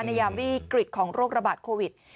ยามวิกฤตของโรคระบาดโควิด